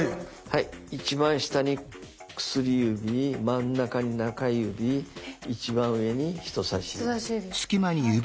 一番下に薬指真ん中に中指一番上に人さし指。